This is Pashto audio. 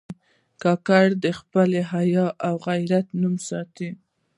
کاکړ د خپل حیا او غیرت نوم ساتي.